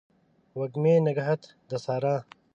وږمې نګهت د سارا